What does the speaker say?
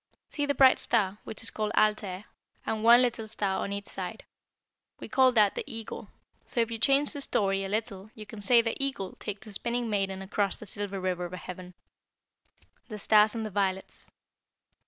"See the bright star, which is called Altair, and one little star on each side. We call that the Eagle, so if you change the story a little you can say the Eagle takes the Spinning maiden across the Silver River of Heaven." THE STARS AND THE VIOLETS.